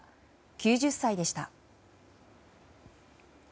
９０歳でした。